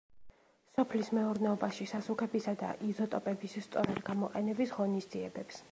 სოფლის მეურნეობაში სასუქებისა და იზოტოპების სწორად გამოყენების ღონისძიებებს.